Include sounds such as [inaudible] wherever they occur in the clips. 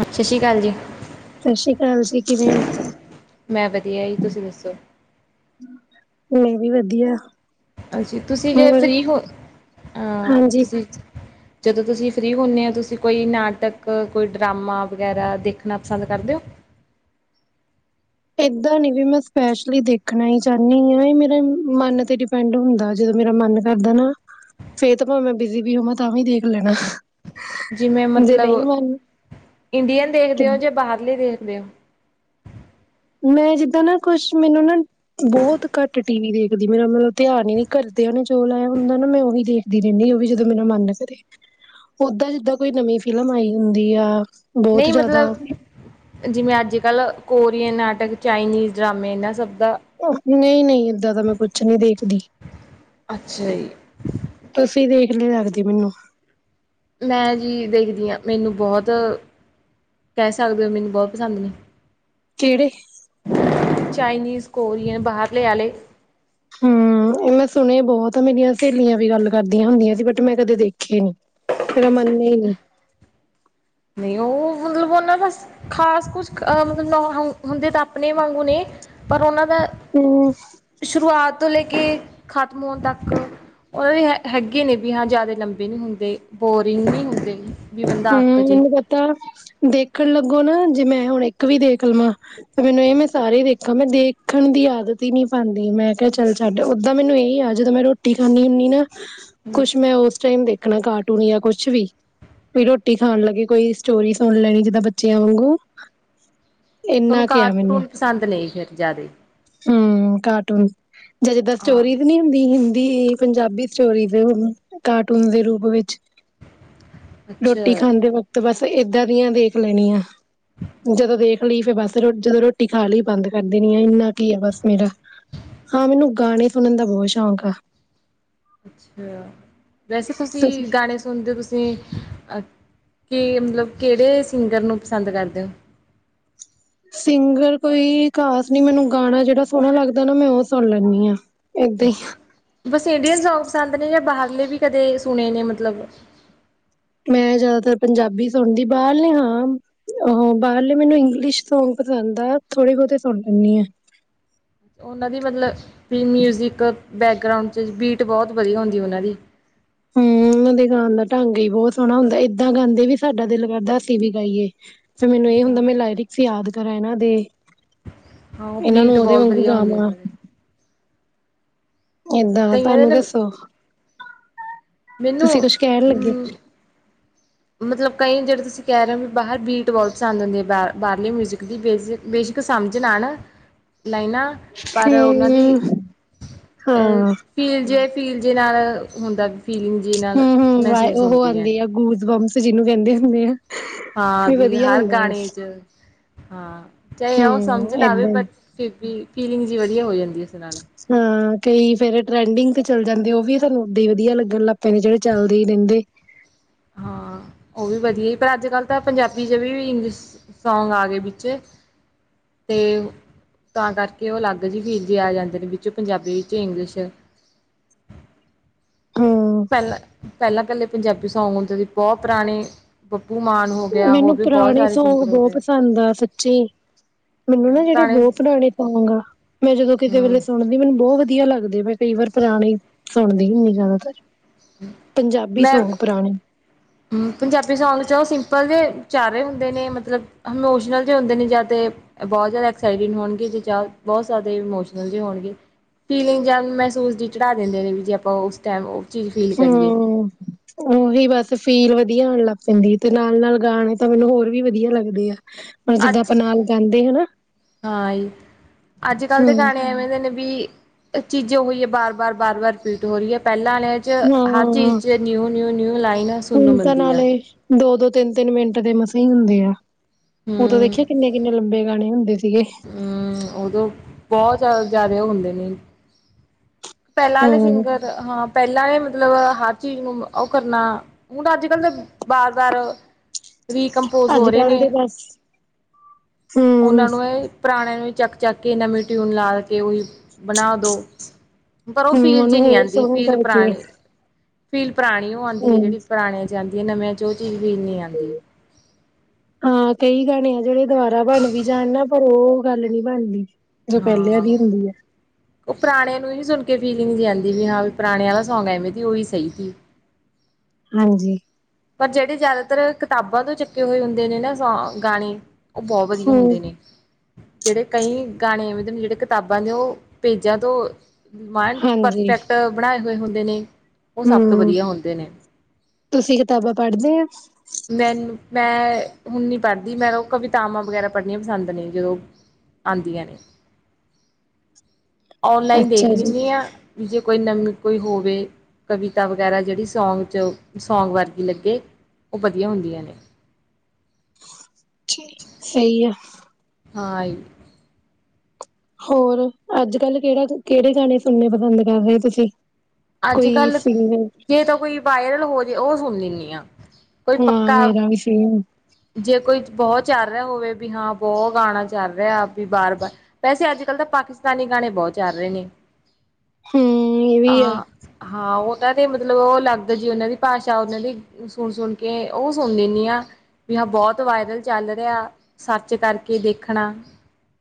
ਸਤਿ ਸ੍ਰੀ ਅਕਾਲ ਜੀ। ਸਤਿ ਸ੍ਰੀ ਅਕਾਲ ਜੀ ਕਿਵੇਂ ਹੋ? ਮੈਂ ਵਧੀਆ ਜੀ ਤੁਸੀਂ ਦੱਸੋ। ਮੈ ਵੀ ਵਧੀਆ। ਅੱਛਾ, ਤੁਸੀਂ ਜੇ ਹੋਰ ਫ੍ਰੀ ਹੋ, ਹਾਂਜੀ ਤੁਸੀਂ। ਜਦੋਂ ਤੁਸੀਂ ਫਰੀ ਹੁੰਦੇ ਹੋ। ਤੁਸੀਂ ਕੋਈ ਨਾਟਕ, ਕੋਈ ਡਰਾਮਾ ਵਗੈਰਾ ਦੇਖਣਾ ਪਸੰਦ ਕਰਦੇ ਹੋ। ਏਦਾਂ ਨੀ ਵੀ ਮੈਂ ਸਪੈਸ਼ਲੀ ਦੇਖਣਾ ਹੀ ਚਾਹੁੰਦੀ ਹਾਂ। ਇਹ ਮੇਰਾ ਮਨ ਤੇਰੀ ਪਿੰਡ ਹੁੰਦਾ, ਜਦੋਂ ਮੇਰਾ ਮਨ ਕਰਦਾ ਨਾ। ਫਿਰ ਤਾਂ ਭਾਵੇ ਮੈਂ ਬਿਜੀ ਵੀ ਹੋਵਾਂ। ਤਾਂ ਵੀ ਦੇਖ ਲੈਣਾ। ਜਿਵੇਂ ਜੇ ਮਤਲਬ, ਨਹੀਂ ਮਨ ਇੰਡੀਅਨ ਦੇਖਦੇ ਹੋ ਜਾਂ ਬਾਹਰਲੇ ਦੇਖਦੇ ਹੋ। ਮੈਂ ਜਿੱਦਾਂ ਨਾ, ਕੁਛ ਮੈਨੂੰ ਨਾ ਬਹੁਤ ਘੱਟ ਟੀ ਵੀ ਦੇਖਦੀ। ਮੇਰਾ ਮਤਲਬ ਧਿਆਨ ਹੀ ਨੀ ਘਰਦਿਆਂ ਨੇ ਜੋ ਲਾਇਆ ਹੁੰਦਾ ਨਾ, ਮੈਂ ਉਹੀ ਦੇਖ ਰਹਿੰਦੀ ਉਹ ਵੀ ਜਦੋਂ ਮੈਨੂੰ ਮੰਨ ਨਾ ਕਰੇ, ਓਦਾਂ ਜਿੱਦਾਂ ਕੋਈ ਨਵੀਂ ਫਿਲਮ ਆਈ ਹੁੰਦੀ ਆ ਬਹੁਤ ਨਹੀਂ ਜ਼ਿਆਦਾ ਮਤਲਬ ਜਿਵੇਂ ਅੱਜ- ਕੱਲ੍ਹ ਕੋਰੀਅਨ ਨਾਟਕ, ਚਾਈਨੀਜ਼ ਡਰਾਮੇ ਇਹਨਾਂ ਸਭ ਦਾ। ਨਹੀਂ- ਨਹੀਂ ਏਦਾਂ ਦਾ ਮੈਂ ਕੁਛ ਨਹੀਂ ਦੇਖਦੀ। ਅੱਛਾ ਜੀ ਤੁਸੀਂ ਦੇਖ ਲਿਉ ਲਗਦੀ ਮੈਨੂੰ। ਮੈਂ ਜੀ ਦੇਖਦੀ ਹਾਂ, ਮੈਨੂੰ ਬਹੁਤ। ਕਹਿ ਸਕਦੇ ਹੋ, ਮੈਨੂੰ ਬਹੁਤ ਪਸੰਦ ਨੇ। ਕਿਹੜੇ? ਚਾਈਨੀਜ਼, ਕੋਰੀਅਨ, ਬਾਹਰਲੇ ਵਾਲੇ। ਹਮ ਇਹ ਮੈਂ ਸੁਣੇ ਬਹੁਤ ਆ, ਮੇਰੀਆਂ ਸਹੇਲੀਆਂ ਵੀ ਗੱਲ ਕਰਦੀਆਂ ਹੁੰਦੀਆਂ ਸੀ, ਬਟ ਮੈਂ ਕਦੇ ਦੇਖੇ ਨੀ। ਫਿਰ ਉਹ ਮੰਨੀ ਨਹੀਂ ਉਹ ਮਤਲਬ ਉਹਨਾਂ, ਬਸ ਖ਼ਾਸ ਕੁਛ ਮਤਲਬ ਹੁੰਦੇ ਤਾਂ ਆਪਣੇ ਵਾਂਗੂ ਨੇ। ਪਰ ਉਹਨਾਂ ਦਾ। [inaudible] ਸ਼ੁਰੂਆਤ ਤੋਂ ਲੈ ਕੇ, ਖਤਮ ਹੋਣ ਤੱਕ। ਉਹ ਵੀ ਹੈਗੇ ਨੇ ਵੀ ਹਾਂ ਜ਼ਿਆਦਾ ਲੰਬੇ ਨੀ ਹੁੰਦੇ, ਬੋਰਿੰਗ ਨਹੀਂ ਹੁੰਦੇ। ਵੀ ਬੰਦਾ ਹਮ ਅੱਕ ਜੇ ਮੈਨੂੰ ਪਤਾ, ਦੇਖਣ ਲੱਗੋ ਨਾ ਜੇ ਮੈਂ ਹੁਣ ਇੱਕ ਵੀ ਦੇਖ ਲਵਾਂ। ਤੇ ਮੈਨੂੰ ਇਹ ਮੈਂ ਸਾਰੇ ਦੇਖਾਂ, ਮੈਂ ਦੇਖਣ ਦੀ ਆਦਤ ਹੀ ਨਹੀ ਪਾਉਂਦੀ। ਮੈਂ ਕਿਹਾ ਚੱਲ ਸਾਡੇ ਓਦਾਂ ਮੈਨੂੰ ਇਹੀ ਆ। ਜਦੋਂ ਮੈਂ ਰੋਟੀ ਖਾਂਦੀ ਹੁੰਦੀ ਨਾ ਕੁਛ ਮੈਂ ਉਸ ਟਾਈਮ ਦੇਖਣਾ ਕਾਰਟੂਨ ਜਾਂ ਕੁਛ ਵੀ ਵੀ ਰੋਟੀ ਖਾਣ ਲੱਗੇ, ਕੋਈ ਸਟੋਰੀ ਸੁਣ ਲੈਣੀ ਜਿੱਦਾਂ ਬੱਚਿਆ ਵਾਂਗੂ ਤੁਹਾਨੂੰ ਇੰਨਾ ਕੁ ਆ ਕਾਰਟੂਨ ਪਸੰਦ ਨੇ, ਫਿਰ ਜ਼ਿਆਦਾ ਹੂ ਕਾਰਟੂਨ, ਜਾਂ ਜਿੱਦਾਂ ਹਾਂ ਸਟੋਰੀ ਦੀ ਨੀ ਦੀ ਹਿੰਦੀ, ਪੰਜਾਬੀ ਸਟੋਰੀ ਦੇ ਕਾਰਟੂਨ ਦੇ ਰੂਪ ਵਿੱਚ ਰੋਟੀ ਅੱਛਾ ਖਾਂਦੇ ਵਕਤ, ਬੱਸ ਏਦਾਂ ਦੀਆਂ ਦੇਖ ਲੈਣੀਆਂ। ਜਦੋਂ ਦੇਖ ਲਈ ਫਿਰ ਬੱਸ ਰ ਜਦੋਂ ਰੋਟੀ ਖਾ ਲਈ ਬੰਦ ਕਰ ਦੇਣੀ ਆ। ਇੰਨਾ ਕੀ ਆ ਬੱਸ ਮੇਰਾ। ਹਾਂ, ਮੈਨੂੰ ਗਾਣੇ ਸੁਣਨ ਦਾ ਬਹੁਤ ਸ਼ੌਂਕ ਆ। ਅੱਛਾ! ਵੈਸੇ ਤੁਸੀਂ ਗਾਣੇ ਸੁਣਦੇ ਹੋ? ਤੁਸੀਂ ਅ ਕੀ, ਮਤਲਬ ਕਿਹੜੇ ਸਿੰਗਰ ਨੂੰ ਪਸੰਦ ਕਰਦੇ ਹੋ, ਸਿੰਗਰ ਕੋਈ ਖਾਸ ਨਹੀਂ। ਮੈਨੂੰ ਗਾਣਾ ਜਿਹੜਾ ਸੋਹਣਾ ਲੱਗਦਾ ਨਾ। ਮੈਂ ਉਹ ਸੁਣ ਲੈਂਦੀ ਹਾਂ। ਇਹਦਾ ਹੀ ਬੱਸ ਇੰਡੀਅਨ ਸੌਗ ਪਸੰਦ ਨੇ ਜਾਂ ਬਾਹਰਲੇ ਵੀ ਕਦੇ ਸੁਣੇ ਨੇ ਮਤਲਬ ਮੈਂ ਜ਼ਿਆਦਾਤਰ ਪੰਜਾਬੀ ਸੁਣਦੀ ਬਾਹਰਲੇ ਹਾਂ। ਆਹੋ ਬਾਹਰਲੇ ਮੈਨੂੰ ਇੰਗਲਿਸ਼ ਸੌਂਗ ਪਸੰਦ ਆ ਥੋੜੇ ਬਹੁਤੇ ਸੁਣ ਲੈਂਣੀ ਆ। ਉਹਨਾਂ ਦੀ ਮਤਲਬ ਵੀ ਮਿਊਜ਼ਿਕ ਬੈਕਗਰਾਊਂਡ 'ਚ ਬੀਟ ਬਹੁਤ ਵਧੀਆ ਹੁੰਦੀ ਉਹਨਾਂ ਦੀ ਹੂੰ [inaudible] ਉਹਨਾਂ ਦੇ ਗਾਉਣ ਦਾ ਢੰਗ ਹੀ ਬਹੁਤ ਸੋਹਣਾ ਹੁੰਦਾ ਏਦਾਂ ਗਾਂਦੇ ਵੀ ਸਾਡਾ ਦਿਲ ਕਰਦਾ ਅਸੀਂ ਵੀ ਗਾਈਏ। ਫਿਰ ਮੈਨੂੰ ਇਹ ਹੁੰਦਾ ਮੈਂ ਹਾਂ ਲਾਇਰਿਕਸ ਯਾਦ ਕਰਾਂ ਇਹਨਾਂ ਦੇ ਉਹ ਇਹਨਾਂ ਬੀਟ ਨੂੰ ਉਹਦੇ ਬਹੁਤ ਵਾਂਗੂ ਵਧੀਆ ਹੁੰਦੀ ਗਾਵਾਂ ਉਹਨਾਂ ਦੇ ਏਦਾਂ ਕਈਆਂ ਤੁਹਾਨੂੰ ਦੇ ਨਾ ਦੱਸੋ ਮੈਨੂੰ ਤੁਸੀਂ ਕੁਛ ਕਹਿਣ ਲੱਗੇ ਮਤਲਬ ਕਈ ਜਿਹੜੇ ਤੁਸੀਂ ਕਹਿ ਰਹੇ ਹੋ ਵੀ ਬਾਹਰ ਬੀਟਵੋਲਸ ਆਉਦ ਹੁੰਦੇ ਆ ਬਾਹ ਬਾਹਰਲੇ ਮਿਊਜ਼ਿਕ ਦੀ ਬੇਸਿਕ ਬੇਸ਼ੱਕ ਸਮਝ ਨਾ-ਨਾ ਲਾਈਨਾਂ ਪਰ ਉਹਨਾਂ ਦੀ ਹੂੰ ਐ ਹਾਂ ਫੀਲ ਜੇ ਫੀਲ ਜੇ ਨਾਲ ਹੁੰਦਾ ਵੀ ਫੀਲਿੰਗ ਜੇ ਨਾਲ ਮਹਿਸੂਸ ਹੁੰਦੀ ਹੈ ਨਾ [inaudible] ਜਿਨੂੰ ਕਹਿੰਦੇ ਹੁੰਦੇ ਆ। ਹਾਂ ਵੀ ਵਧੀਆ ਹਰ ਹੁੰਦਾ ਗਾਣੇ ਬਸ 'ਚ ਹਾਂ ਚਾਹੇ ਉਹ ਸਮਝ ਹੂੰ ਨਾ ਆਵੇ ਏਦਾਂ ਬ ਫਿਰ ਵੀ ਫੀਲਿੰਗ ਜੀ ਵੱਧੀਆ ਹੋ ਜਾਂਦੀ ਹੈ ਇਸ ਨਾਲ ਹਾਂ ਕਈ ਫਿਰ ਟਰੈਂਡਿੰਗ ਤੇ ਚੱਲ ਜਾਂਦੇ ਉਹ ਵੀ ਸਾਨੂੰ ਵੱਧ ਵੱਧੀਆ ਲੱਗਣ ਲੱਗ ਪੈਂਦੇ ਜਿਹੜੇ ਚੱਲਦੇ ਹੀ ਰਹਿੰਦੇ। ਹਾਂ ਉਹ ਵੀ ਵੱਧੀਆ ਹੀ ਪਰ ਅੱਜ ਕੱਲ੍ਹ ਤਾਂ ਪੰਜਾਬੀ 'ਚ ਵੀ ਇੰਗਲਸ਼ ਸੌਂਗ ਆ ਗਏ ਵਿੱਚੇ ਤੇ ਤਾਂ ਕਰਕੇ ਉਹ ਅਲੱਗ ਜਿਹੇ ਫੀਲ ਵੀ ਆ ਜਾਂਦੇ ਨੇ ਵਿੱਚੋਂ ਪੰਜਾਬੀ ਵਿੱਚ ਇੰਗਲਿਸ਼ ਹਾਂ ਪਹਿਲਾਂ-ਪਹਿਲਾਂ-ਪਹਿਲਾਂ ਪੰਜਾਬੀ ਸੌਂਗ ਹੁੰਦੇ ਸੀ ਬਹੁਤ ਪੁਰਾਣੇ ਬੱਬੂ ਮਾਨ ਹੋ ਗਿਆ ਹੋਰ ਮੈਨੂੰ ਵੀ ਬਹੁਤ ਪੁਰਾਣੇ ਸਾਰੇ ਸੌਂਗ ਸਿੰਗਰ ਹੋ ਬਹੁਤ ਗਏ ਪਸੰਦ ਆ ਸੱਚੀ ਮੈਨੂੰ ਨਾ ਜਿਹੜੇ ਪੁਰਾਣੇ ਬਹੁਤ ਪੁਰਾਣੇ ਸੁਣੋਗਾ ਮੈਂ ਜਦੋਂ ਕਿ ਵੇਲੇ ਹਮ ਸੁਣ ਮੈਨੂੰ ਬਹੁਤ ਵਧੀਆ ਲੱਗਦੇ ਮੈਂ ਕਈ ਵਾਰ ਪੁਰਾਣੇ ਸੁਣਦੀ ਹੁੰਦੀ ਜ਼ਿਆਦਾਤਰ ਪੰਜਾਬੀ ਮੈਂ ਸੌਂਗ ਪੁਰਾਣੇ ਹੂੰ ਪੰਜਾਬੀ ਸੌਂਗ 'ਚ ਉਹ ਸਿੰਪਲ ਦੇ ਚਾਰੇ ਹੁੰਦੇ ਨੇ ਮਤਲਬ ਇਮੋਸ਼ਨਲ ਤੇ ਹੁੰਦੇ ਨੇ ਜਾਂ ਤੇ ਬਹੁਤ ਜ਼ਿਆਦਾ ਐਕਸਾਈਟਿਡ ਹੋਣਗੇ ਤੇ ਚਾਹ ਬਹੁਤ ਜ਼ਿਆਦਾ ਇਮੋਸ਼ਨਲ ਜ ਹੋਣਗੇ। ਫੀਲਿੰਗ ਮਹਿਸੂਸ ਦੀ ਚੜ੍ਹਾ ਦਿੰਦੇ ਨੇ ਵੀ ਜੇ ਆਪਾਂ ਉਸ ਟਾਈਮ ਉਹ ਚੀਜ਼ ਫੀਲ ਕਰੀਏ। [inaudible] ਉਹੀ ਬੱਸ ਫੀਲ ਵਧੀਆ ਆਣ ਲੱਗ ਪੈਂਦੀ ਤੇ ਨਾਲ-ਨਾਲ ਗਾਣੇ ਤਾਂ ਮੈਨੂੰ ਹੋਰ ਵੀ ਵਧੀਆ ਲੱਗਦੇ ਆ। ਹ ਜਿੱਦਾਂ ਅੱਜ ਆਪਾਂ ਨਾਲ ਗਾਂਦੇ ਅ ਨਾ। ਹਾਂ ਜੀ ਅੱਜ ਕੱਲ੍ਹ ਦੇ ਗਾਣੇ ਐਵੇਂ ਦੇ ਨੇ ਵੀ ਏ ਚੀਜ਼ ਉਹੀ ਹੈ ਬਾਰ-ਬਾਰ-ਬਾਰ ਵਾਰ ਰਿਪੀਟ ਹੋ ਰਹੀ ਹੈ ਪਹਿਲਾਂ 'ਚ ਹਾਂ ਹਰ ਚੀਜ਼ 'ਚ ਨਿਊ-ਨਿਊ-ਨਿਊ ਲਾਈਨ ਸੁਨ ਨੂੰ ਮਿਲਦੀ ਆ। ਦੋ-ਦੋ ਤਿੰਨ-ਤਿੰਨ ਮਿੰਟ ਦੇ ਮੱਸਾ ਹੁੰਦੇ ਆ। ਉਦੋਂ ਹੂੰ, ਵੇਖਿਆ ਕਿੰਨੇ-ਕਿੰਨੇ ਲੰਬੇ ਗਾਣੇ ਹੁੰਦੇ ਸੀਗੇ। ਹੂੰ ਉਦੋਂ ਬਹੁਤ ਜ਼ਿਆਦਾ-ਜਿਆਦਾ ਹੁੰਦੇ ਨੇ। ਪਹਿਲਾਂ ਆਲੇ ਹੂੰ ਸਿੰਗਰ ਹਾਂ ਪਹਿਲਾਂ ਮਤਲਬ ਹਰ ਚੀਜ਼ ਨੂੰ ਉਹ ਕਰਨਾ। ਹੁਣ ਅੱਜ ਕੱਲ੍ਹ ਦੇ ਬਾਜਰ ਰੀਕੰਪੋਜ ਹੋ ਅੱਜ ਰਹੇ ਕੱਲ ਦੇ ਨੇ ਬਸ ਹੂੰ ਉਹਨਾਂ ਨੂੰ ਐ ਪੁਰਾਣਿਆਂ ਨੂੰ ਵੀ ਚੱਕ-ਚੱਕ ਕੇ ਨਵੀਂ ਟਿਊਨ ਲਾ ਦਿੱਤੀ ਉਹੀ ਬਣਾ ਦਉ। ਪਰ ਉਹ ਹੂੰ ਫੀਲ ਜੀ ਉਹਨੂੰ ਨਹੀਂ ਹੋਰ ਆਂਦੀ ਸੋਹਣਾ ਫੀਲ ਕਰਕੇ ਪੁਰਾਣੀ ਫੀਲ ਪੁਰਾਣੀ ਓ ਆਂਦੀ ਹੈ ਹੂੰ ਜਿਹੜੀ ਪੁਰਾਣੇ ਜਾਂਦੀਆਂ ਨਵਿਆਂ 'ਚ ਉਹ ਚੀਜ਼ ਵੀ ਨਹੀਂ ਆਂਦੀ। ਹਾਂ ਕਈ ਗਾਣੇ ਆ ਜਿਹੜੇ ਦੁਬਾਰਾ ਬਣ ਵੀ ਜਾਣ ਨਾ ਪਰ ਉਹ ਗੱਲ ਨਹੀਂ ਬਣ ਰਹੀ। ਹਾਂ। ਉਹ ਪੁਰਾਣਿਆਂ ਨੂੰ ਹੀ ਸੁਣ ਕੇ ਫੀਲਿੰਗ ਜੀ ਆਂਦੀ ਵੀ ਹਾਂ ਵੀ ਪੁਰਾਣਿਆਂ ਦਾ ਸੌਂਗ ਹੈ ਐਵੇਂ ਤ ਉਹੀ ਸਹੀ ਸੀ। ਹਾਂਜੀ। ਪਰ ਜਿਹੜੇ ਜ਼ਿਆਦਾਤਰ ਕਿਤਾਬਾਂ ਤੋਂ ਚੱਕੇ ਹੋਏ ਹੁੰਦੇ ਨੇ ਨਾ ਸੌਂ, ਗਾਣੇ। ਉਹ ਬਹੁਤ ਵੱਧੀਆ ਹਮ ਹੁੰਦੇ ਨੇ। ਜਿਹੜੇ ਕਈ ਗਾਣੇ ਮਤਲਬ ਜਿਹੜੇ ਕਿਤਾਬਾਂ ਚੋਂ, ਪੇਜਾਂ ਤੋਂ ਮਨ ਹਾਂਜੀ ਪਰਫੈਕਟ ਬਣਾਏ ਹੋਏ ਹੁੰਦੇ ਨੇ। ਉਹ ਸਭ ਤੋਂ ਹੁੰ, ਵਧੀਆ ਹੁੰਦੇ ਨੇ ਤੁਸੀਂ ਕਿਤਾਬਾਂ ਪੜਦੇ ਆਂ? ਮੈਨੂੰ ਮੈਂ ਹੁਣ ਨਹੀਂ ਪੜ੍ਹਦੀ ਮੈ ਨੂੰ ਕਵਿਤਾਵਾਂ ਵਗੈਰਾ ਪੜ੍ਹਨੀਆਂ ਪਸੰਦ ਨੇ। ਜਦੋਂ ਆਂਦੀਆਂ ਨੇ, ਔਨਲਾਈਨ ਦੇਖ ਅੱਛਾ ਜੀ ਲਿਂਨੀ ਆਂ। ਵੀ ਜੇ ਕੋਈ ਨਵੀਂ ਕੋਈ ਹੋਵੇ, ਕਵਿਤਾ ਵਗੈਰਾ ਜਿਹੜੀ ਸੌਂਗ ਚ ਸੌਂਗ ਵਰ ਲੱਗੇ, ਉਹ ਵੱਧੀਆ ਹੁੰਦੀਆਂ ਨੇ। ਚਲ ਸਈ ਆ। ਹਾਂ ਆਈ। ਹੋਰ ਅੱਜ ਕੱਲ੍ਹ ਕਿਹੜਾ ਕਿਹੜੇ ਗਾਣੇ ਸੁਣਨੇ ਪਸੰਦ ਕਰਦੇ ਓ ਤੁਸੀਂ? ਅੱਜ ਕੋਈ ਕੱਲ ਸਿੰਗਰ ਜੇ ਤਾਂ ਕੋਈ ਵਾਇਰਲ ਹੋ ਜੇ ਉਹ ਸੁਣ ਲਿਂਨੀ ਆਂ। ਕੋਈ ਹਾਂ ਪੱਕਾ ਮੇਰਾ ਵੀ ਸੇਮ ਜੇ ਕੋਈ ਬਹੁਤ ਚੱਲ ਰਿਹਾ ਹੋਵੇ ਵੀ ਹਾਂ ਬਹੁਤ ਗਾਣਾ ਚੱਲ ਰਿਹਾ ਵੀ ਬਾਰ ਬਾਰ ਵੈਸੇ ਅੱਜ ਕੱਲ੍ਹ ਤਾਂ ਪਾਕਿਸਤਾਨੀ ਗਾਣੇ ਬਹੁਤ ਚੱਲ ਰਹੇ ਨੇ, ਹਮ ਇਹ ਵੀ ਆ ਹਾਂ। ਹਾਂ ਉਹਨਾਂ ਦੇ ਮਤਲਬ ਉਹ ਅਲੱਗ ਜੀ ਉਹਨਾਂ ਦੀ ਭਾਸ਼ਾ ਉਹਨਾਂ ਦੀ। ਸੁਣ ਸੁਣ ਕੇ ਉਹ ਸੁਣ ਲੈਣੀ ਆਂ। ਵੀ ਆ ਬੌਤ ਵਾਇਰਲ ਚੱਲ ਰਿਆ ਸਰਚ ਕਰਕੇ ਦੇਖਣਾ।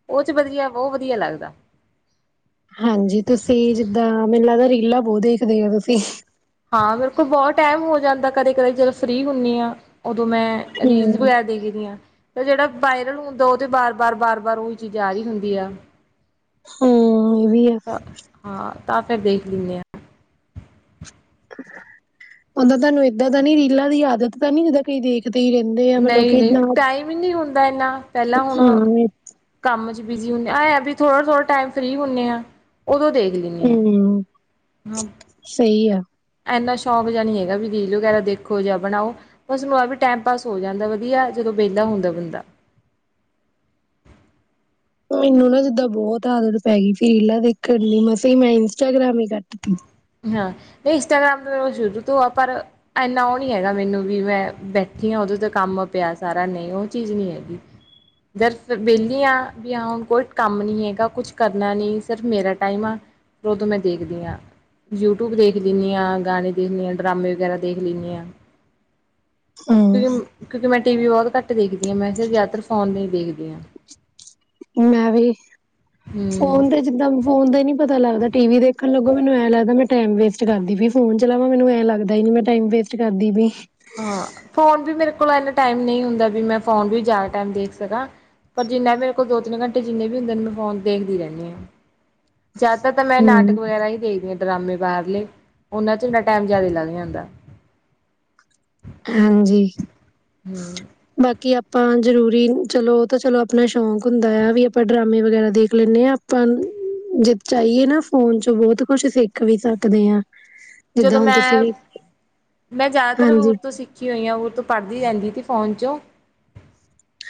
ਉਹ 'ਚ ਵਧੀਆ ਬੋਹ ਵਧੀਆ ਲੱਗਦਾ। ਹਾਂਜੀ ਤੁਸੀਂ ਜਿੱਦਾਂ ਮੈਨੂੰ ਲੱਗਦਾ ਰੀਲਾਂ ਬੋਹ ਦੇਖਦੇ ਓ ਤੁਸੀਂ। ਹਾਂ ਬਿਲਕੁਲ ਬਹੁਤ ਟੈਮ ਹੋ ਜਾਂਦਾ ਕਦੇ-ਕਦੇ ਜਦੋਂ ਫ੍ਰਰੀ ਹੁੰਨੀ ਆਂ। ਉਦੋਂ ਮੈਂ ਰੀਲਸ ਹਮ ਵਗੈਰਾ ਦੇਖਦੀ ਆਂ। ਤੇ ਜਿਹੜਾ ਵਾਇਰਲ ਹੁੰਦਾ ਉਹ ਤੇ ਬਾਰ-ਬਾਰ-ਬਾਰ-ਬਾਰ ਉਹੀ ਚੀਜ਼ ਆ ਰੀ ਹੁੰਦੀ ਆ। ਹੁੰ ਇਹ ਵੀ ਆ। ਹਾਂ ਤਾਂ ਫੇਰ ਦੇਖ ਲਿਂਨੇ ਆ। ਉਦਾਂ ਤਾੱਨੂੰ ਏਦਾਂ ਦਾ ਨੀ ਰੀਲਾਂ ਦੀ ਆਦਤ ਤਾਂ ਨੀ ਜਿੱਦਾਂ ਕਈ ਦੇਖ ਤੇ ਹੀ ਰਹਿੰਦੇ ਆ ਮਤਲਬ ਕਿ ਇੱਦਾਂ ਵੀ ਨਹੀਂ ਹੁੰਦਾ ਏਨਾ ਪਹਿਲਾਂ ਹੁਣ ਇਹ ਕੰਮ ਚ ਬਿਜੀ ਹੁੰਨੇ ਆਂ ਆਂਏਂ ਹੈ ਵੀ ਥੋੜਾ-ਥੋੜਾ ਟਾਈਮ ਫ੍ਰੀ ਹੁੰਨੇ ਆਂ ਉਦੋਂ ਦੇਖ ਲੈਂਦੇ ਹਾਂ ਹੁੰ ਮ ਸਹੀ ਆ। ਐਨਾ ਸ਼ੌਂਕ ਜ ਨਹੀਂ ਹੈਗਾ ਵੀ ਰੀਲ ਵਗੈਰਾ ਦੇਖੋ ਜਾਂ ਬਣਾਓ। ਬਸ [unintelligible] ਟਾਈਮ ਪਾਸ ਹੋ ਜਾਂਦਾ ਵੱਧੀਆ ਜਦੋਂ ਬੇਲਾ ਹੁੰਦਾ ਬੰਦਾ। ਮੈਨੂੰ ਨਾ ਜਿੱਦਾਂ ਬਹੁਤ ਆਦਤ ਪੈ ਗਈ ਸੀ ਰੀਲਾਂ ਦੇਖਣ ਦੀ ਮਸਾ ਮੈਂ ਇੰਸਟਾਗ੍ਰਾਮ ਹੀ ਕੱਟਤੀ। ਹਾਂ ਇਹ ਇੰਸਟਾਗ੍ਰਾਮ ਤੇ ਸ਼ੁਰੂ ਤੋਂ ਆ ਪਰ। ਐਂਨਾ ਉਹ ਨਹੀਂ ਹੈਗਾ ਮੈਨੂੰ ਵੀ ਮੈਂ ਬੈਠੀ ਆਂ ਉਹਦੋਂ ਤੇ ਕੰਮ ਪਿਆ ਸਾਰਾ ਨਹੀਂ ਉਹ ਚੀਜ਼ ਨੀ ਹੈਗੀ। ਜਦ ਫੇਰ ਬੇੱਲੀ ਆਂ ਵੀ ਆਂ ਹੁਣ ਕੋਈ ਕੰਮ ਨੀ ਏਗਾ ਕੁਛ ਕਰਨਾ ਨੀ, ਸਿਰਫ ਮੇਰਾ ਟਾਈਮ ਆ। ਫੇਰ ਉਦੋਂ ਮੈਂ ਦੇਖਦੀ ਆਂ। ਯੂਟੂਬ ਦੇਖ ਲਿਂਨੀ ਆਂ ਗਾਨੇ ਦੇਖਨੀ ਆਂ ਡਰਾਮੇ ਵਗੈਰਾ ਦੇਖ ਲਿਂਨੀ ਆਂ। ਹੂੰ ਕਿਉਂਕਿ ਕਿਉਂਕਿ ਮੈਂ ਟੀ ਵੀ ਬਹੁਤ ਘੱਟ ਦੇਖਦੀ ਆਂ ਮੈਂ ਜ਼ਿਆਦਾਤਰ ਫੋਨ ਤੇ ਹੀ ਦੇਖਦੀ ਆਂ। ਮੈਂ ਵੀ, ਹਮ ਫੋਨ ਤੇ ਜਿੱਦਾਂ ਫੋਨ ਤੇ ਨੀ ਪਤਾ ਲੱਗਦਾ ਟੀ ਵੀ ਦੇਖਣ ਲੱਗੋ ਮੈਨੂੰ ਐਂ ਲੱਗਦਾ ਮੈਂ ਟਾਈਮ ਵੇਸਟ ਕਰਦੀ ਪਈ ਹਾਂ ਫੋਨ ਚਲਾਵਾਂ ਮੈਨੂੰ ਐਂ ਲੱਗਦਾ ਹੀ ਨੀ ਮੈਂ। ਟਾਈਮ ਵੇਸਟ ਕਰਦੀ ਪਈ। ਹਾਂ ਫੋਨ ਵੀ ਮੇਰੇ ਕੋਲ ਇਨ੍ਹਾਂ ਟਾਈਮ ਨਹੀਂ ਹੁੰਦਾ ਵੀ ਮੈਂ ਫੋਨ ਵੀ ਜ਼ਿਆਦਾ ਟਾਈਮ ਦੇਖ ਸਕਾਂ। ਪਰ ਜਿੰਨਾ ਵੀ ਮੇਰੇ ਕੋਲ ਦੋ ਤਿੰਨ ਘੰਟੇ ਜਿੰਨੇ ਵੀ ਹੁੰਦੇ ਹਾਂ ਮੈਂ ਫੋਨ ਦੇਖਦੀ ਰਹਿੰਨੀ ਆਂ। ਜ਼ਿਆਦਾਤਰ ਤਾਂ ਮੈਂ ਹੂੰ ਨਾਟਕ ਵਗੈਰਾ ਹੀ ਦੇਖਦੀ ਆਂ ਡਰਾਮੇ ਬਾਹਰਲੇ, ਉਹਨਾਂ 'ਚ ਮੇਰਾ ਟੈਮ ਜ਼ਿਆਦਾ ਲੱਗ ਜਾਂਦਾ। ਹਾਂਜੀ। ਹੂੰ। ਬਾਕੀ ਆਪਾਂ ਜ਼ਰੂਰੀ ਚਲੋ ਉਹ ਤਾਂ ਚਲੋ ਆਪਣਾ ਸ਼ੌਂਕ ਹੁੰਦੈ ਵੀ ਆਪਾਂ ਡਰਾਮੇ ਵਗੈਰਾ ਦੇਖ ਲੈਂਨੇ ਆਂ। ਆਪਾਂ ਜੇ ਚਾਈਏ ਨਾ ਫੋਨ 'ਚ ਬਹੁਤ ਕੁਛ ਸਿੱਖ ਵੀ ਸਕਦੇ ਆਂ। ਜਦੋਂ ਮੈਂ ਮੈਂ ਜ਼ਿਆਦਾਤਰ ਹੋਰ ਹਾਂਜੀ ਤੋਂ ਸਿੱ ਸਿੱਖੀ ਹੋਈਆਂ ਉਹ ਤੋਂ ਪੜ੍ਹਦੀ ਰਹਿੰਦੀ ਸੀ ਫੋਨ 'ਚੋਂ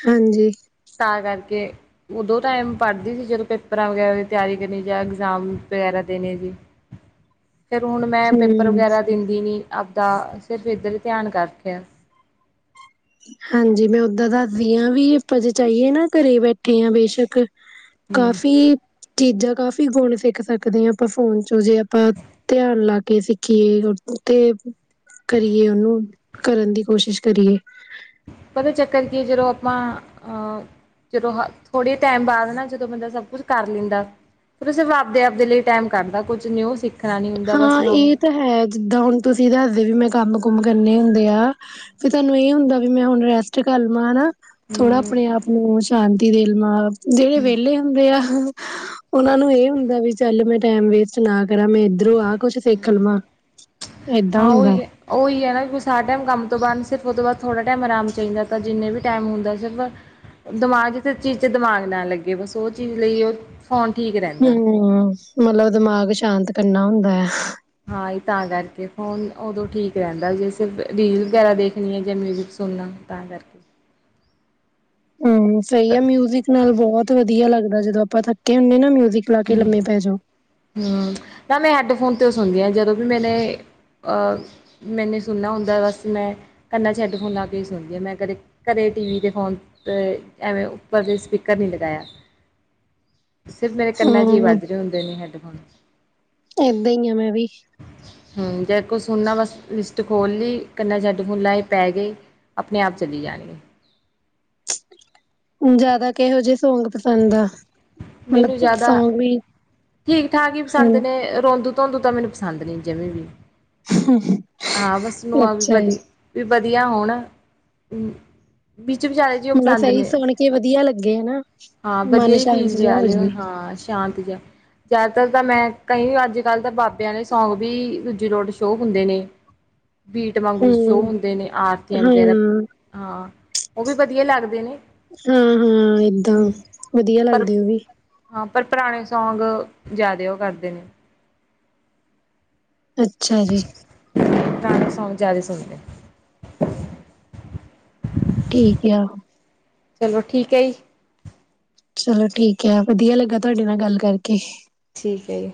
ਹਾਂਜੀ ਤਾਂ ਕਰਕੇ ਉਦੋਂ ਟਾਈਮ ਪੜ੍ਹਦੀ ਸੀ ਜਦੋਂ ਪੇਪਰਾਂ ਵਗੈਰਾ ਦੀ ਤਿਆਰੀ ਲਈ ਜਾਂ ਇਗਜ਼ਾਮ ਵਗੈਰਾ ਦੇਣੇ ਸੀ [inaudible] ਫਿਰ ਹੁਣ ਮੈਂ ਪੇਪਰ ਹੂੰ, ਵਗੈਰਾ ਦਿੰਦੀ ਨੀ ਆਪਦਾ ਸਿਰਫ ਇੱਧਰ ਹੀ ਧਿਆਨ ਕਰ ਰੱਖਿਆ ਹਾਂਜੀ ਮੈਂ ਉਦਾਂ ਦੱਸਦੀ ਹਾਂ ਵੀ ਆਪਾਂ ਜੇ ਚਾਹੀਏ ਨਾ ਘਰੇ ਬੈਠੇ ਹਾਂ ਬੇਸ਼ੱਕ ਹੂੰ ਕਾਫ਼ੀ ਚੀਜ਼ਾਂ ਕਾਫੀ ਗੁਣ ਸਿੱਖ ਸਕਦੇ ਆਂ ਆਪਾਂ ਫੋਨ ਚੋਂ ਜੇ ਆਪਾਂ ਧਿਆਨ ਲਾ ਕੇ ਸਿੱਖੀਏ ਉਹ ਤੇ ਕਰੀਏ ਉਹਨੂੰ ਕਰਨ ਦੀ ਕੋਸ਼ਿਸ਼ ਕਰੀਏ ਪਤਾ ਚੱਕਰ ਕੀ ਜਦੋਂ ਆਪਾਂ ਅ ਜਦੋਂ ਹ ਥੋੜੇ ਟਾਈਮ ਬਾਅਦ ਨਾ ਜਦੋਂ ਬੰਦਾ ਸਭ ਕੁਛ ਕਰ ਲੈਂਦਾ ਉਹ ਤਾਂ ਸਿਫ਼ ਆਪਦੇ ਆਪਦੇ ਲਈ ਟਾਈਮ ਕੱਢਦਾ ਕੁੱਝ ਨਿਊ ਸਿੱ ਹਾਂ ਇਹ ਤਾਂ ਹੈ ਜਿੱਦਾਂ ਹੁਣ ਤੁਸੀਂ ਦੱਸਦੇ ਵੀ ਮੈਂ ਕੰਮ ਕੁਮ ਕਰਨੇ ਹੁੰਦੇ ਆ ਫੇ ਤੁਹਾਨੂੰ ਇਹ ਹੁੰਦਾ ਵੀ ਮੈਂ ਹੁਣ ਰੈਸਟ ਕਰ ਲਵਾਂ ਹਨਾ ਥੋੜਾ ਹੂੰ ਆਪਣੇ ਆਪ ਨੂੰ ਸ਼ਾਂਤੀ ਦੇਣ ਨਾਲ ਜਿਹੜੇ ਵਿਹਲੇ ਹੁੰਦੇ ਆ ਉਹਨਾਂ ਨੂੰ ਇਹ ਹੁੰਦਾ ਵੀ ਚੱਲ ਮੈਂ ਟੈਮ ਵੇਸਟ ਨਾ ਕਰਾਂ ਮੈਂ ਇ ਇਧਰੋਂ ਆਹ ਕੁਛ ਸਿੱਖ ਲਵਾਂ ਏਦਾਂ ਹਾਂ ਹੁੰਦਾ ਐ ਉਹੀ ਹੈ ਉਹੀ ਆ ਨਾ ਕੋ ਸਾਰਾ ਟਾਈਮ ਕੰਮ ਤੋਂ ਬਾਅਦ ਸਿਰਫ ਉਸ ਤੋਂ ਬਾਅਦ ਥੋੜ੍ਹਾ ਟਾਈਮ ਆਰਾਮ ਚਾਹੀਦਾ, ਤਾਂ ਜਿੰਨੇ ਵੀ ਟਾਈਮ ਹੁੰਦਾ ਸਿਰਫ ਦਿਮਾਗ ਜਿੱਥੇ ਚੀਜ਼ 'ਚ ਦਿਮਾਗ ਨਾ ਲੱਗੇ ਬਸ ਉਹ ਚੀਜ਼ ਲਈ ਉਹ ਹੁਣ ਠੀਕ ਰਹ ਹੂੰ ਮਤਲਬ ਦਿਮਾਗ ਸ਼ਾਂਤ ਕਰਨਾ ਹੁੰਦਾ ਐ ਹਾਂ ਈ ਤਾਂ ਕਰਕੇ ਫ਼ੋਨ ਉਦੋਂ ਠੀਕ ਰਹਿੰਦਾ ਜੇ ਅਸੀਂ ਰੀਲ ਵਗੈਰਾ ਦੇਖਣੀ ਹੈ ਜਾਂ ਮਿਊਜ਼ਿਕ ਸੁ ਸੁਨਣਾ ਤਾਂ ਕਰ ਹੂੰ ਸਹੀ ਆ ਮਿਊਜ਼ਿਕ ਨਾਲ ਬਹੁਤ ਵਧੀਆ ਲੱਗਦਾ ਜਦੋਂ ਆਪਾਂ ਥੱਕੇ ਹੁੰਦੇ ਨਾ ਮਿਊਜ਼ਿਕ ਕ ਲਾ ਕੇ ਲੰਮੇ ਪੈ ਜਾਓ ਹਾਂ ਨਾ ਮੈਂ ਹੈਡਫੋਨ ਤੋਂ ਹੀ ਸੁਣਦੀ ਹਾਂ ਜਦੋਂ ਵੀ ਮੈਨੇ ਅਹ ਮੈਨੇ ਸੁਣਨਾ ਹੁੰਦਾ ਬਸ ਮੈਂ ਕੰਨਾਂ 'ਚ ਹੈੱਡਫੋਨ ਲਾ ਕੇ ਹੀ ਸੁਣਦੀ ਹਾਂ ਮੈਂ ਕਦੇ ਕਦੇ ਟੀਵੀ ਦੇ ਫੋਨ ਅਹ ਐਵੇਂ ਉੱਪਰ ਦੇ ਸਪੀਕਰ ਨਹੀਂ ਲਗਾਇਆ ਸਿਰਫ ਮੇਰੇ ਕੰਨਾਂ 'ਚ ਹੀ ਹਮ ਵੱਜ ਰਹੇ ਹੁੰਦੇ ਨੇ ਹੈੱਡਫੋਨ ਏਦਾਂ ਈ ਆ ਮੈਂ ਵੀ ਹੂ, ਜੇ ਕੁਛ ਸੁਨਣਾ ਬਸ ਲਿਸਟ ਖੋਲ ਲੀ, ਕੰਨਾ ਚ ਹੈੱਡ ਫੋਨ ਲਾਏ ਪੈ ਗਈ ਆਪਣੇ ਆਪ ਚੱਲੀ ਜਾ ਰੇ ਜ਼ਿਆਦਾ ਕਿਹੋ ਜਿਹੇ ਸੌਂਗ ਪਸੰਦ ਆ? ਮੈਨੂੰ ਮਤਲਬ ਜ਼ਿਆਦਾ ਸੌਂਗ ਵੀ ਠੀਕ ਠਾਕ ਹੀ ਪਸੰਦ ਹੂੰ ਨੇ ਰੋਂਦੂ ਰੋਦੂ ਤਾਂ ਮੈਨੂੰ ਪਸੰਦ ਨਹੀਂ ਜਿਵੇਂ ਵੀ, ਹਾਂ ਬਸ ਮੈਨੂੰ ਆ ਵੀ ਅੱਛਾ ਹੈ ਵਧੀ ਵੀ ਵਧੀਆ ਹੋਣ ਵਿੱਚ ਵਿਚਾਲੇ ਜਿਹੇ ਉਹ ਮਤਲਬ ਪਸੰਦ ਸਹੀ ਨੇ, ਸੁਣ ਕੇ ਵਧੀਆ ਲੱਗੇ ਹਨਾ ਹਾਂ ਵਧੀਆ ਮਨ ਜੀ ਸ਼ਾਂਤ ਫਰੀਜ਼ ਜਿਹਾ ਲਾ ਹੋ [unintelligible] ਲਿਓ। ਜਾਵੇ ਹਾਂ ਸ਼ਾਂਤ ਜਿਹਾ ਜ਼ਿਆਦਾਤਰ ਤਾਂ ਮੈਂ ਕਈ ਅੱਜ ਕੱਲ੍ਹ ਤਾਂ ਬਾਬਿਆਂ ਵਾਲੇ ਸੌਂਗ ਵੀ ਦੂਜੀੇ ਰੋਡ ਸ਼ੋਅ ਹੁੰਦੇ ਨੇ। ਬੀਟ ਵਾਂਗੂੰ ਸ਼ੋਅ ਹੂੰ ਹੁੰਦੇ ਨੇ ਆਰਤੀਆਂ ਹਾਂ ਵਗੈਰਾ ਹਾਂ ਉਹ ਵੀ ਵਧੀਆ ਲੱਗਦੇ ਨੇ ਹੂੰ ਹੁੰ ਏਦਾਂ ਹੂੰ। ਵਧੀਆ ਪਰ ਲੱਗਦੇ ਉਹ ਵੀ। ਹਾਂ, ਪਰ ਪੁਰਾਣੇ ਸੌਂਗ ਜ਼ਿਆਦਾ ਉਹ ਕਰਦੇ ਅੱਛਾ ਜੀ ਪੁਰਾਣੇ ਸੌਂਗ ਜ਼ਿਆਦਾ ਸੁਣੀ ਦੇ ਠੀਕ ਆ ਚਲੋ ਠੀਕ ਏ ਇ ਚਲੋ ਠੀਕ ਐ, ਵਧੀਆ ਲੱਗਾ ਤੁਹਾਡੇ ਨਾਲ ਗੱਲ ਕਰਕੇ ਠੀਕ ਹੈ ਯੇ।